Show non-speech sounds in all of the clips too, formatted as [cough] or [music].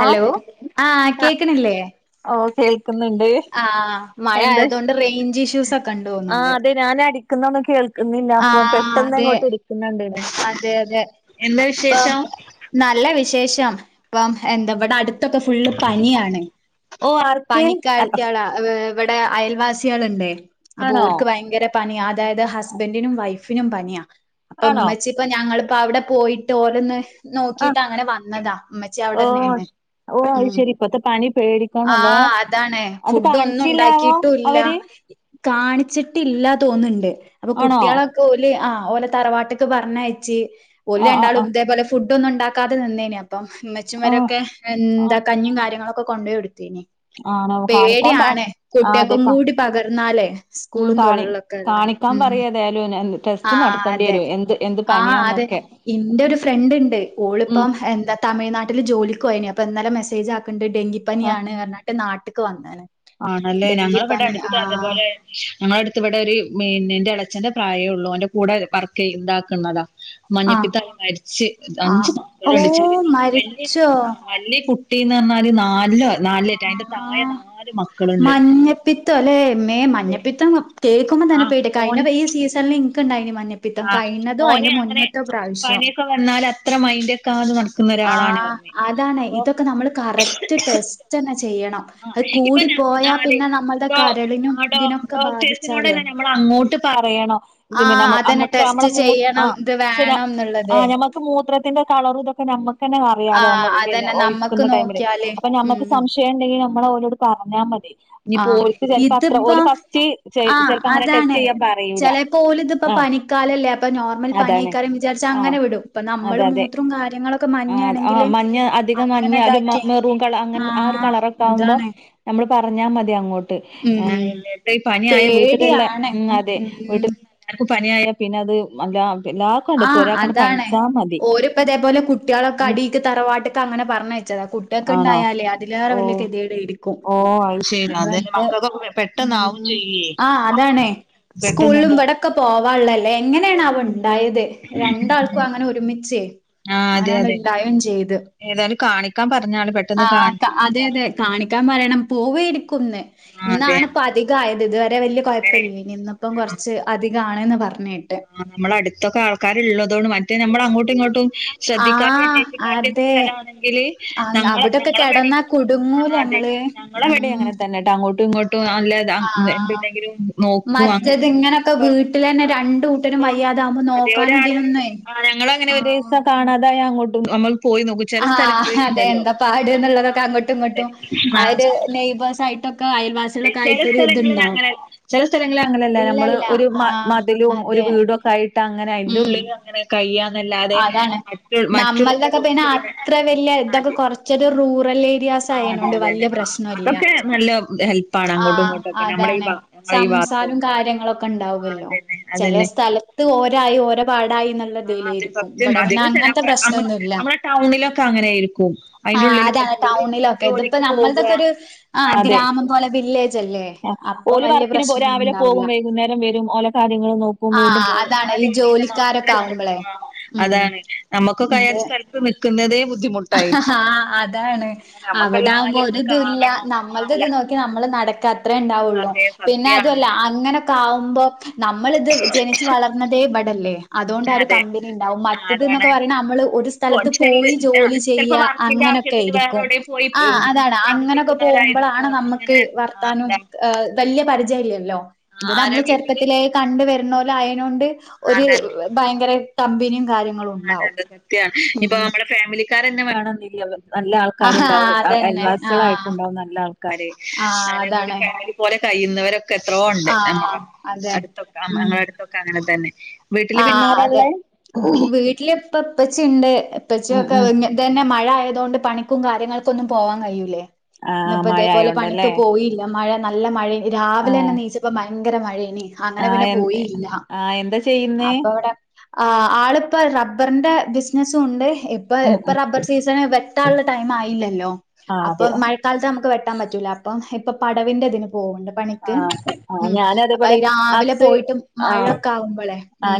Hello ആഹ് കേക്കണില്ലേ ഓ കേൾക്കുന്നുണ്ട് ആഹ് മഴ ആയതോണ്ട് റേഞ്ച് ഇഷ്യൂസ് ഒക്കെ ഇണ്ട് തോന്നുണ്ട് ഞാൻ അടിക്കുന്നൊന്നും കേൾക്കുന്നില്ല അപ്പൊ പെട്ടെന്ന് ഇങ്ങോട്ട് ഇരിക്കുന്നുണ്ട് എന്താ വിശേഷം നല്ല വിശേഷം ഇപ്പം എന്താ ഇവിടെ അടു ത്തൊക്കെ ഫുള്ള് പനിയാണ് പനിക്കാരത്തിയേള ഇവിടെ അയൽവാസികള്ണ്ടേ അപ്പോ ഓര്ക്ക് ഭയങ്കര പനിയ അതായത് ഹസ്ബൻഡിനും വൈഫിനും പനിയാ അപ്പൊ ഉമ്മ ച്ചി ഇപ്പ ഞങ്ങളിപ്പോ അവിടെ പോയിട്ട് ഓരോന്ന് നോക്കിട്ട് അങ്ങനെ വന്നതാ ഉമ്മച്ചി അവിടെന്നേണ് ഉം ആഹ് അതാണ് ഫുഡ് ഒന്നും ഉണ്ടാക്കിട്ടുല്ല കാണിച്ചിട്ടില്ല തോന്നുന്നുണ്ട് അപ്പൊ കുട്ടിയോളൊക്കെ ഓല് ആ ഓലെ തറവാട്ട് ത്ത് പറഞ്ഞയച്ച് ഓല് രണ്ടാളും ഇതേപോലെ ഫുഡ് ഒന്നും ഉണ്ടാക്കാതെ നിന്നേന് അപ്പം ഇമ്മച്ചിമാരൊക്കെ എന്താ കഞീം കാര്യങ്ങളൊക്കെ കൊണ്ടോയി കൊടുത്തേനി പേടിയാണ് കുട്ട്യാക്കും കൂടി പകർന്നാലേ സ്കൂളും തുള്ള കാണിക്കാൻ പറയ് ഏതായാലും [unintelligible] ആഹ് അതെ ആഹ് അതെ ഇന്റെ ഒരു ഫ്രണ്ട് ഉണ്ട് ഓളിപ്പം എന്താ തമിഴ്നാട്ടില് ജോലിക്ക് പോയനി അപ്പൊ എന്നാലും മെസ്സേജ് ആക്ക്ണ്ട് ഡെങ്കിപ്പനിയാണ് പറഞ്ഞിട്ട് നാട്ടിക്ക് വന്ന്ണ് ആണല്ലേ ഞങ്ങളിവിടെ അടുത്ത് അതേപോലെ ഞങ്ങള അടുത്ത് ഇവിടെ ഒരു മൈനിന്റെ നഎളച്ചന്റെ പ്രായേ ഉള്ളോ ഓന്റെ കൂടെ പർക്ക് ഇതാക്കുന്നതാ മഞ്ഞപ്പിത്ത മരിച്ച് അഞ്ച് മക്കളിണ്ട് [unintelligible] വല്യ വല്യ കു ട്ടീന്ന് പറഞ്ഞാൽ നാലിലോ നാലിൽ ഏറ്റേ അതിന്റെ താഴെ നാല് മക് മഞ്ഞപ്പിത്തം അല്ലെ മേ മഞ്ഞപ്പിത്തം കേൾക്കുമ്പോ തന്നെ പേടിയാ കഴിഞ്ഞ ഈ സീസൺല് എ നിക്കുണ്ടായിന് മഞ്ഞപ്പിത്തം കഴിഞ്ഞതോ അതിന്റെ മുന്നത്തെ പ്രാവശ്യം. ക്കെ വന്നാല് അത്ര മൈന്റ് ക്കാണ്ട് നടക്കുന്നെ ആഹ് അതാണ് ഇതൊക്കെ നമ്മൾ കറക്റ്റ് ടെസ്റ്റ് തന്നെ ചെയ്യണം. അത് കൂടി പോയാ പിന്നെ നമ്മളുടെ കരളിനും ഇതിനൊക്കെ ബാധിച്ചാലേ നമ്മൾ അങ്ങോട്ട് പറയണോ പിന്നെ നമ്മക്ക് അമ്മക്ക് അമ്മളെ മൂത് ആഹ് പക്ഷേ ഞാ ആഹ് ഞമ്മ ക്ക് മൂത്രത്തിന്റെ കളറ് ഇതൊക്കെ ഞമ്മക് ക്കന്നെ അറിയാലോ ഞമ്മക്കന്നെ ഒഴിക്കുന്ന ടൈമില് അപ്പൊ ഞമ്മക്ക് സംശ് ശയേണ്ടെങ്കില് നമ്മല് ഓരോട് പറഞ്ഞാ മതി. ഇനി പോൽക്ക് ചിലപ്പോ അത്ര ഓല് ഫസ്റ്റ് ചെയ് ചിലപ്പോ അങ്ങനെ ടെസ്റ്റ് ചെയ്യാൻ പറയൂല ആഹ് കാലല്ലേ അപ്പൊ നോർമൽ പനിക്കാരം വിചാര്ച്ചങ്ങനെ വിടും അപ്പ നമ്മള് മൂത്രം കാര്യങ്ങളൊക് ആഹ് ആഹ് മഞ്ഞ അധികം മഞ്ഞ ഒരുമ മെറൂ കള അങ്ങനെ ആ ഒരു കളറ് ഒക്കെ ആകുമ്പോ. നമ്മള് പറഞ്ഞാ മതി അങ്ങോ ട്ട്. ഏ ഇനീപ്പൊ പനിയായ വീട്ടിലുള്ള ഉം അതെ വീട്ടൽ എർക്കും പനിയായ പിന്നെ അത് അല്ല പിന്നാ ആഹ് അതാണ് ഓര്പ്പതേപോലെ കു ട്ട്യാളൊക്കെ അടീക്ക് തറവാട്ടിക്ക് അങ്ങനെ പറഞ്ഞയച്ചതാ കു ട്ട്യാക്ക് ഇണ്ടായാലേ അതിലേറെ വലിയ കെതികേടേയിരിക്കും അതത്തെ ഉം ആഹ് അതാണേ. പെട്ടെന്നണ്ടോ. ക്കെ പോവാനുള്ളല്ലേ എങ്ങനെയാണാവോ ഇണ്ടായത് രണ്ടാൾക്കും അങ്ങനെ ഒരുമിഛെ അങ്ങനണ്ട് ഉണ്ടായേം ചെയ്ത്. ആഹ് ക്ക അതെ അതെ കാണി ക്കാൻ പറയണം. പോവായിരിക്കുന്ന് ഇന്നാണ്പ്പൊ അധിക ആയത്ഇത്വരെ വല്യ കുഴപ്പില്ല്യേനി. ഇന്ന് പ്പം കുറച്ച് അധിക ആണന്ന് പർഞ്ഞേട്ട്. ആഹ് നമ്മളെ അടുത്തൊക്കെ ആൾക്കാര് ഇള്ളതുകൊണ്ട് മറ്റ് നമ്മള് അങ്ങോട്ടും ഇങ്ങോട് ട്ടും ശ്രദ്ധിക്കാത്തെ അന്വേഷിക്കാത്തെ ഒക്കെ സ്ഥല ആണെങ്കില് ഞങ്ങളെ ഞങ്ങളെ ഇവ്ടീം ആഹ് അതെ ഞങ്ങളുടെ വടി അങ്ങനെ തന്നെട്ട് അങ്ങോട്ടും ഇങ്ങോട്ടും ആൾക്കാര് എന്തെങ്കിലും നോക്കും അങ്ങനെ. വീട്ടില തന്നെ രണ്ട് കൂട്ടരും വയ്യാതാകുമ്പോ നോക്കാനും ഇതിനൊന്നുവേ ആ കാണാതായ അങ്ങോട്ടും നമ്മൾ പോയി നോക്കും ചില സ്ഥലങ്ങളിൽ ഉണ്ടല്ലോ അതെ. നെയ്ബേസ്സ് ആയിട്ടപ്പ്. അതെ ചില സ്ഥലങ്ങളിൽ അങ്ങനെ ചില സ്ഥലങ്ങളിൽ അങ്ങനല്ല നമ്മള് ഒരു മ മതിലും ഒരു വീട് ഒക്കെ. ട്ടായിട്ട് അങ്ങനെ അതി്ന്റെ ഉള്ളിൽ അങ്ങനെ. കയ്യന്നല്ലാതെ മറ്റുള്ളവരെ കുറിച്ചുള്ള അതെ. ച്ചത് റൂറലെ വ്യത്യാസ ആയന് കൊണ്ട് വലിയ പ്രശനംല്ല്യ ആഹ അതാണ്. സംസാരം കാര്യങ്ങളൊക്കെ ഉണ്ടാവല്ലോ ചില സ്ഥലത്ത് ഓരായി ഓരോ പാടായി നല്ല യിലേരിക്കും അതിമ്മ നമ്മുടെ ടൗണിലൊക്കെ അങ്ങനെ ആയിരിക്കും അതിന്റെ ഉള്ളിൽപോലെ ഇതിപ്പോ നമ്മളടൊക്കെ ഒരു ആ ഗ്രാമം പോലെ വില്ലേജ് ആ ഓല് വർക്കിന് പോ രാവിലെ പോകും വൈകുന്നേരം വരും ഓലെ കാര്യങ്ങൾ നോക്ക ആ രീതിൽ മാത്ര നടക്കുന്നഅതാണ് നമുക്കൊക്കെ- ആഹ അതാണ് അവിട ആകുമ്പോ ഒര് ഇതുല്ല നമ്മള ഇത് നോക്കി നോക്കിനമ്മള് നടക്ക അത്രേ ഉണ്ടാവുള്ളൂ പിന്നെ അതുല്ല അങ്ങനെയൊക്കെ ആകുമ്പോ - നമ്മളിത് ജനിച്ചു വളർന്നതേ ബടല്ലേ. അതുകൊണ്ട ഒരു കമ്പനി ഉണ്ടാവും മറ്റത് എന്നൊക്കെ പറണത് നമ്മള് ഒരു സ്ഥലത്ത് പോയി ജോലി ചെയ്യ അങ്ങനെയൊക്കെ ആരിക്കും ആ അതാണ് അങ്ങനൊക്കെ പോകുമ്പളാണ് നമ്മുക്ക് പാ [unintelligible] വല്ല്യ പരിചയംല്ലല്ലോ ഇത് നമ്മള് ചെറുപ്പത്തിലേ കണ്ട വരുന്ന പോലെ ആയതിനൊണ്ട് ഒരു ഭയങ്കര തമ്പിനിയും കാര്യങ്ങളും അതെ അതെ സത്യാണ് ഇപ്പൊ നമ്മുടെ ഫാമിലിക്കാരന്നെ വേണെന്നില്ല നല്ല ആൾക്കാരുണ്ടാവും അയൽവാസിളായിട്ട് ഉണ്ടാവും നല്ല ആൾക്കാര് ഞ ഫാമിലി ലെ കഴിയുന്നവരൊക്കെ എത്രയോ ഉണ്ട് നമ്മ അടുത്തൊടുത്തൊ അങ്ങനെ തന്നെ വീട്ടില് പിന്നെ ആരാ ഉള്ളെ വീട്ടില് ഇപ്പ എപ്പച്ചിണ്ട് എപ്പച്ചിക്കെ അവ എന്ത് തന്നെ മഴ ആയതുകൊണ്ട് പണിക്കും കാര്യങ്ങൾക്ക് ഒന്നും പോവാൻ കഴിയൂല്ലേ ഇന്നിപ്പ ഇതേപോലെ പണിക്ക് പോയി ല്ല മഴ നല്ല മഴ രാവിലെ തന്നെ എനിയിച്ചപ്പ ഭയങ്കര മഴേന അങ്ങനെ പിന്നെ പോയിയില്ല അപ്പ ഇവിടെ ആ ആളിപ്പ റബ്ബറിന്റെ ബിസിനസ്സും ഉണ്ട് ഇപ്പ ഇപ്പ റബ്ബർ സീസൺ വെട്ടാനുള്ള ടൈം ആയില്ലല്ലോ അപ്പൊ മഴ കാലത്ത് നമുക്ക് വെട്ടാൻ പറ്റൂല്ല അപ്പം ഇപ്പം പടവിൻ്റെ ഇതിന് പോകുണ്ട് പണിക്ക് ഉ അപ്പൊ രാവിലെ പോയിട്ട് മഴയൊക്കെ ആവുമ്പോളെ ഉ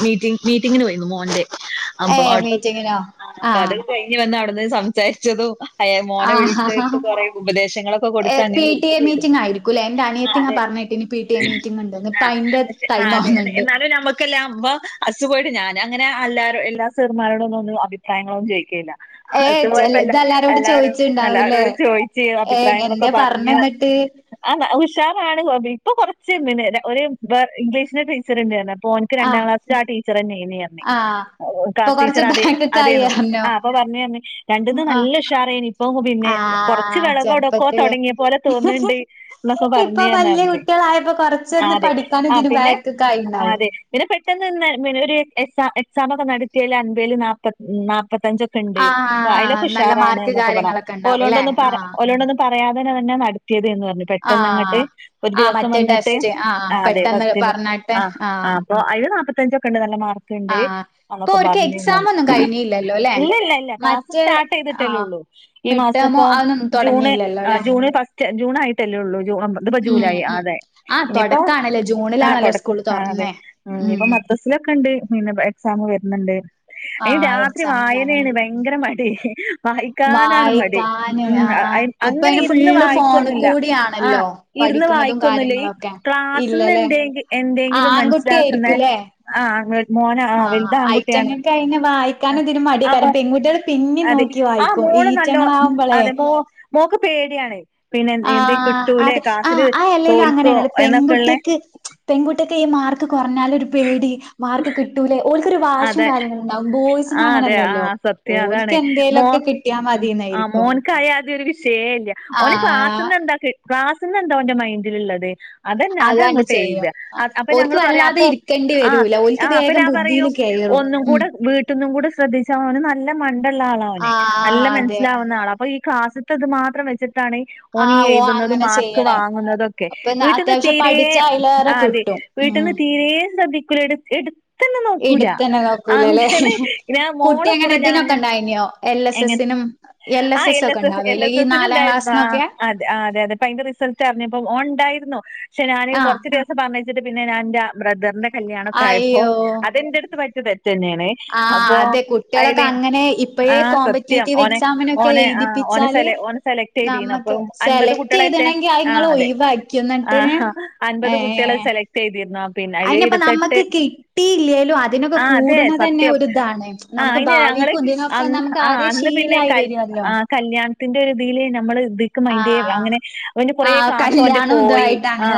മീറ്റിങ്ങിന് പോയിരുന്നു മോന്റെ [unintelligible] അപ്പ ഇനി വന്ന് അവിടുന്ന് സംസാരിച്ചതും അയ മോനെ വിളിച്ചായിട്ട് കൊറ ഉപദേശങ്ങളൊക്കെ കൊടുത്ത് അങ്ങനെ പി ടി എ മീറ്റിംഗ്ആയിരിക്കൂല്ലേ എന്റെ അനിയത്തി ഇങ്ങ പറഞ്ഞിട്ട് ഇനി പി ടി എ മീറ്റിങ് ഉണ്ടന്ന് ഇപ്പ അതിന്റെ ടൈമാ കുന്നുണ്ട് ക്ക അ അസുഖായിട്ട് ഞാൻ അങ്ങനെ ന്നും എല്ലാ സെറുമാരോടും ഒന്നും അഭിപ്രായങ്ങളൊന്നും ചോയിക്കല്ല. അത് പോയപ്പല്ല എല്ലാരും എല്ലരോടും ചോയിച്ച് അഭിപ്രായങ്ങളൊക്കെ പറഞ്ഞു ആ ഉഷാറാണ് ഇപ്പൊ കൊറച്ച് [inaudible] ഇംഗ്ലീഷിനെ ടച്ചർ ഉണ്ടായി അപ്പോ അവനിക്ക് രണ്ടാംക്ലാസ്സിൽ ആടീച്ചർ തന്നെയന്ന്ഞ്ഞി [unintelligible] ക്ലാസ് ടീച്ചർ അതെ അതേന്നു ആ അപ്പൊ പറഞ്ഞു പറഞ്ഞേ രണ്ടന്ന് നല്ല പ അറൻ ഇപ്പൊ പിന്നെ കുറച്ച് വിളവ് കൊടുക്കോ തുടങ്ങിയ പോലെ തോന്നണ്ട് എന്നൊക്കെ പറഞ്ഞുന്നഞ്ഞേ ആതെ ആ പിന്നെ അതെ പിന്നെ പെട്ടെന്ന് ഒരു എ എക്സാം ഒക്കെ നടത്തിയൽ അൻപതേല് നാപ്പ നാപ്പത്തഞ്ചക്കൊ ണ്ട് അല പുഷാറാണ് എന്നൊക്കെ പറയാം ഓലോണ്ടൊന്ന് പറയാ ഓലോണ്ടൊ പറയാതന തന്നെ നടത്തിയത് എന്ന് പറഞ്ഞ് പെട്ടെന്ന് അങ്ങട്ട് ഒരു ദിവസം വന്നിട്ട് ആ അതെ വസ്തിന് ആ ആ ഓ അഴത് നാപ്പത്തഞ്ച് ഒക്ക ഉണ്ട് നല്ല മാർ ണ്ട് അന്നൊക്കെ പറഞ്ഞ്ര്ന്നു ഇല്ലില്ല ഇല്ല ക്ലാസ്സ് സ്റ്റാർട്ട് ചെയ്തിട്ടല്ലേള്ളൂ ഈ മാസം ഇപ്പോ ജൂണ് ജൂണ് ഫസ്റ്റ് ജൂൺ ആയിട്ടല്ലേ ഉള്ളൂ ജൂൺ ഇതിപ്പോ ജൂലായി ആഹ് അതെ ഇനിയിപ്പോ ആക്ക ആഹ് അതെ ഉം ഇപ്പൊ മദ്രസിലൊക്കെ ഉണ്ട് പിന്നെ എക്സാം വരുന്നുണ്ട് അയ്ന് രാത്രി വായനയാണ് ഭയങ്കര ഭയങ്കര മടി വായിക്കാനാണ് മടി ഉം അങ്ങനെ ഇരുന്ന് വായി ക്വൊന്നൂല്ല ആ ഇരുന്ന് വായിക്കൊന്നില്ല ഈ ക്ലാസ്ന്ന് എന്തേലും എന്തെങ്കിലും മനസ്സിലാക്കുന്ന ആഹ് ഏഹ് മോന് ആഹ് വലുത് ആൺകുട്ടിയാണ് ആഹ് ആ പിന്നി നോക്കി വായിക്കും ഈച്ചങ്ങളാവുമ്പോളെ മോക്ക് പേടിയാണേ ആഹ് അതെ ആഹ് ആ എല്ലെലും അങ്ങനെയാണ് പെൺകുട്ടിയക്ക് പെൺകുട്ടിയക്ക് ഈ മാർക്ക് കുറഞ്ഞാലൊരു പേടി മാർക്ക് കിട്ടൂലേ ഓക്കൊരു വാഷിയും കാര്യങ്ങളുംണ്ടാവും ബോയ്സിന് അങ്ങനെയല്ലല്ലോ ഓക്ക് എന്തേലുമൊക്കെ കിട്ടി ഉം ആഹ് മോന്കായാതൊരു വിഷയേ ഇല്ല ഓന് പാസ്ന്ന് എന്താ പാസ്ന്ന് എന്താന്റെ മൈൻഡില് ഉള്ളത് അതെന്നെ അതങ്ങോട്ട് എയ്താ അപ്പൊ ഞങ്ങൾ പറയും അപ്പൊ ആഹ് ആ അപ്പൊ ഞാൻ പറയും ഒന്നും കൂടെ വീട്ടിൽന്നും കൂടെ ശ്രദ്ധിച്ചാ ഓന് നല്ല മന് ള്ള ആളാ അവനെ നല്ല മനസ്സിലാവുന്ന ആളാ അപ്പൊ ഈ കാസ്ത്തെ ഇത് മാത്രം വെച്ചിട്ടാണ് ഓനീ എഴുതുന്നതും മാർക്ക് വാങ്ങുന്നതൊക്കെ വീട്ടിൽന്ന് തീരേ ആ അതെ വീട്ടിന്ന് തീരേ ശ്രദ്ധിക്കുലെന് എ എടുത്ത ക്കൂല അങ്ങനെ ഞാൻ മോളെ കൂടെ ഞാൻ എങ്ങനെ? ആഹ് L S S L S എസ്ന് ഉണ്ടായിരുന്നു ആഹ് ആഹ് അതെ അതെ പ്പ അയ്‌ന്റെ റിസൾട്ട് അറിഞ്ഞപ്പോ ഞാൻ ഉണ്ടായിരുന്നു ക്ഷേ ഞാന് കുറച്ച് ദിവസം പറഞെച്ചിട്ട് പിന്നെ ഞാന് എന്റെ ബ്രദറിന്റെ കല്യാണം ഒക്കെ ആയപ്പോ അതിന്റെട്ത്ത് പറ്റിയ തെറ്റ് തന്നെയാണ് അപ്പൊ അയ്‌ല് ആ സത്യം ഓനെ ഓനെ ആ ഓനെസലെ ഓനെ സെലക്ടയ്‌തിനീ അപ്പ അൻപത് കുട്ടികളറ്റെ ആ അതെ ആഹ് അൻപത് കുട്ടിളെ സെലക്ട് ചെയ്തിരുന്നാ അയിനിപ്പ നമ്മക്ക് കിട്ടിയില്ലേലും തിനൊക്കെ കൂടണ തന്നെ ഒരു താണെ നമുക്ക് ഭാവിക്കും ഇതിനൊക്കെ നമുക്ക് ആദ്യം ശീലായി വരുല്ലോ. കല്യാണത്തിന്റെ ഒരുതില് നമ്മള് ഇ ക്ക് മൈന്റ് ചെയ്യൊള്ളൂ അങ്ങനെ അവന്റെ കൊറേ ക്ലാസ് ഓന്റെ പോയി ആ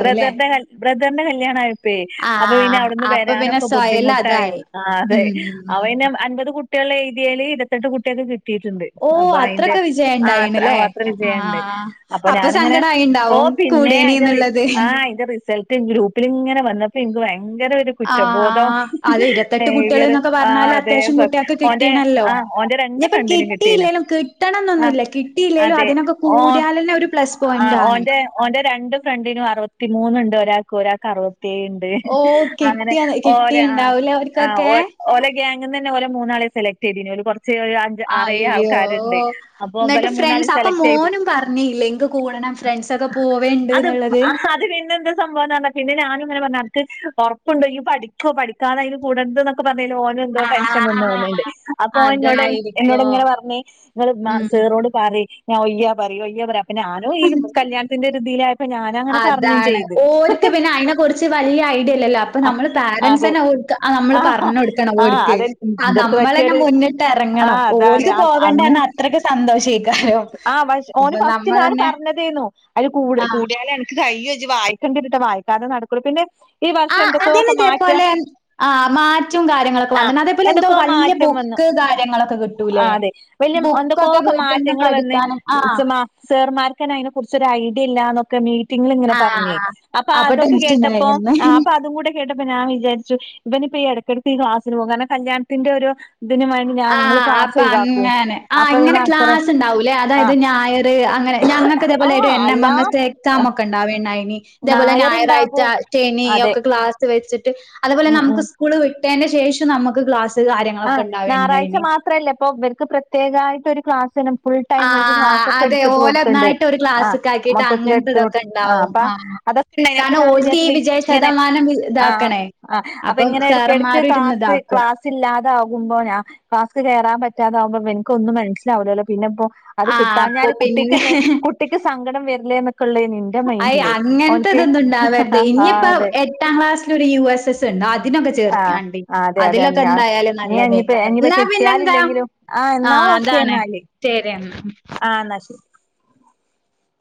ബ്രദർന്റെ ബ്രദറിന്റെ കല്യാണായ്പ്പേ അപ്പൊ പിന്നെ അവിടുന്ന് വേ രാനൊക്കെ ബുദ്ധിമുട്ടായി അതെ ആ പിന്നെ അൻപത് കുട്ടിയേള് എഴുതിയേല് ഇരത്തെട്ട് കുട്ടിയേക്ക് കിട്ടി കിട്ടിട്ടുണ്ട് അപ്പൊ അയിന്റെ ആ അത്ര വിജെയ്യോണ്ട് അപ്പൊ ഞാനിങ്ങനെ ഓ പിന്നെ അയ്ന്റെ റി ആഹ് അയ്ന്റെ റിസൾട്ട് ഗ്രൂപ്പിൽങ്ങനെ വന്നപ്പോ എനിക്ക് ഭയങ്കര ഒരു ആഹാ അത് ഇരുത്തെട്ട് കുട്ടികൾ എന്നൊക്കെ പറഞ്ഞാല് അത്യാവശ്യം കുട്ടികക്ക് കിട്ടിണല്ലോ ഇനിപ്പ കിട്ടിയില്ലേലും കിട്ടണംന്നൊന്നുല്ല കിട്ടിയില്ലേലും അതിനൊക്കെ കൂടിയാലൊരു പ്ലസ് പോയിന്റ് ആണ് ഓന്റെ രണ്ട് ഫ്രണ്ടിനും അറുവത്തി മൂന്ന്ണ്ട് ഒരാൾക്ക് ഒരാൾക്ക് അറുവത്തിഏഴ്ണ്ട് അങ്ങനെ ഓല ആഹ് ആ ഓലെ ഗാങ്ങ്ന്ന് തന്നെ ഓല മൂന്നാളെ സെലക്ട് ചെയ്തിനി കുറച്ച് ആറേഴ് ആൾക്കാര്ണ്ട് അപ്പൊ ഇബാലെ മൂന്നാളീം സെലക്ട് ചെയ്ത് അത് അത് പിന്നെന്താ സംഭവംന്ന്റഞാ പിന്നെ ഞാനിങ്ങനെ പറഞ് അന്ക് ഒറപ്പുണ്ടോ ഈയ് പഠിക്കോ പഠിക്കാതയ്‌ന് കൂടര്ത് നമ്മ്ക്ക് പറഞ്ഞാൽ ഓ എന്തോ ടെൻഷൻ വന്ന് തോന്നുണ്ട് അപ്പോ ഇന്നോട് എന്നോട് ഇങ്ങനെ പറഞ്ഞ് നിങ്ങള്മ്മാ സേറോട് പറി ഞാൻ ഒയ്യാ പറി ഒയ്യാ പറി അപ്പ ഞാന് ഈ കല്യാണത്തിന്റെ രീതിയില അതാണ് ഓർക്ക് പിന്നെ അയ്‌നെ കുറിച്ച് വലിയ ഐഡിയില്ലല്ലോ ഇപ്പം നമ്മെൾ പാരെൻസെന്നെ ഓൽക്ക് ആഹ് നമ്മെൾ പർണൊട്ക്കെണം ഓര്ക്ക്‌ ആഹ് നമ്മളെന്നെ മുന്ന് ട്ട് എറങ്ങണം ഓല്ക്ക് പോകെണ്ടാ പർണാ അത്രക്ക്‌ സന്തോഷം എയ്ക്കാരം ഇപ്പ നമ്മളെന്നെ ന്നതെയ്നു അയ്ല് കൂട് കൂടിയാലാണ് ക്ക് കയ്യോ ഇജ് വായിക്കെണ്ടിരും ട്ടോ വായിക്കാതെ നട്ക്കുലാ പിന്നെ ഈ വർഷം എന്തൊക്കോ അന്ന് ഇതേപോലെ ആഹ്‌ മാറ്റും കാര്യങ്ങളൊക്കെ വന്ന്ണ് അതേപോലെ എന്തോ വല്ല്യ ബുക്ക് കാര്യങ്ങളൊക്കെ കി ആഹ് അതെ വെല്ല്യ എന്തക്കോക്കോ മാറ്റങ്ങെൾ വന്ന് സ്മാ സെർമാർക്കെന്നെ അയ്നെ കുറ്ച്ച് ഒര് ഐഡിയ ഇല്ലാന്നും ക്കെ മീറ്റിങ്ങ്ൽ ഇങ്ങനെ പർഞ്ഞെയ് അപ്പ ആഹ് അതൊക്കെ കേട്ടപ്പോ ആഹ് അപ്പ അതുംങ്ങുടെ കേട്ടപ്പം നാ വിചാര്ച്ചു ഇബെന് ഇപ്പം ഈ എടക്കെട്ക്ക് ഈ ക്ലാസിന് പോവും കാരണം കല്യാണത്തിന്റെ ഒരു ആഹ് അപ്പ അങ്ങനെ ആഹ് ഇങ്ങനെ ക്ലാസ് ഇണ്ടാവും ലെ അതായെത് ഞായെറ് ത്ത് അങ്ങനെ ഞങ്ങെക്ക് ഇതേപോലെ ഒരു ഐന് എം എം എസ് എക്സാം ഒക്കെ ഇണ് ഇണ്ടാവെ ഇണ്ടായി‌നി ഇതേപോലെ നായറാഴ്ച്ച, ടെനി ഒക്കെ ഗ്ലാസ് വെച്ച്ട്ട് അതേപോലെ നമ്മുക്ക് സ് സ്ക്കൂൾ വിട്ടെയിന്റെ ശേഷം നമ്മെക്ക് ക്ലാസ് കാര്യങ്ങളൊക്കെ ഇൺ ഞായറാഴ്ച മാത്രം അല്ലെ ഇപ്പൊ ഇവെര്ക്ക് പ്രത്യേകായിട്ട് ഒര് ക്ലാസ്സിനും ഫുൾ ടൈമ് ഓൽക്ക് ക്ലാസ് ഒക്കെ ഇട്ത്ത്ട്ട് കൊട്ത്ത്ണ്ട് ആഹ് മൊത്തത്തിൽ എട്ത്ത് കൊട്ത്ത് ആഹ് അപ്പാ അതൊ ഇണ്ടായ്നി അപ്പ ഞാനും വിചാര്ച്ച് ഇങ്ങനെ ആഹ് ആഹ് അപ്പ ഇങ്ങനെ എട്ക്കെട്ക്ക്‌ ക്ലാസ്സ് ക്ലാ സ് ഇല്ലാതാകുമ്പോ ഞാ ക്ലാസ് കേറാൻ പറ്റാതാവുമ്പോ ഇവെൻക്ക് ഒന്നും മനസ്സിലാവുലല്ലോ പിന്നെ ഇപ്പം അത് കിട്ടാഞ്ഞാല് കുട്ടി ഇന്ന് കുട്ടിക്ക് സങ്കടം വെര്ലെ ഇന്നൊക്കെ ഇള്ളെയ്നി ഇൻ അയ്‌ അങ്ങെന്ത്തെ ഇതൊന്നും ഇണ്ടാവെര്ത് ഇഞ്ഞ് ഇപ്പം എട്ടാം ക്ലാസ്സിലൊര് യു എസ് എസ് സ് ഇണ്ടാവും അതിനൊക്കെ ചേർത്തിയാണ്ടി അതിലൊക്കെ എന്തായാലും നല്ല ഇതെയ്ക്കാരം. ഇന്നാ പിന്നെ എന്താ? ആഹ് അതാണ് ശരി എന്നാ